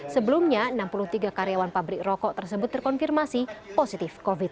sebelumnya enam puluh tiga karyawan pabrik rokok tersebut terkonfirmasi positif covid sembilan belas